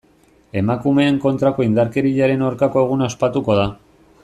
Emakumeen kontrako indarkeriaren aurkako eguna ospatuko da.